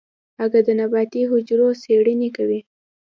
اگه د نباتي حجرو څېړنې کوي.